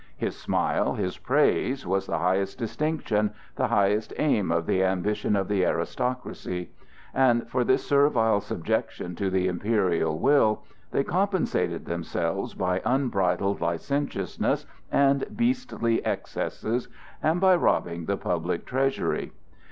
His smile, his praise, was the highest distinction, the highest aim of the ambition of the aristocracy, and for this servile subjection to the imperial will they compensated themselves by unbridled licentiousness and beastly excesses, and by robbing the public treasury.